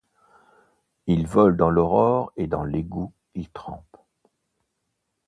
Il vole dans l’aurore et dans l’égout il trempe ;